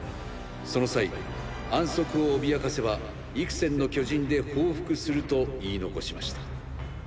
その際安息を脅かせば幾千の巨人で報復すると言い残しました。